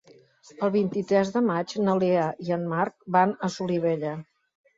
El vint-i-tres de maig na Lea i en Marc van a Solivella.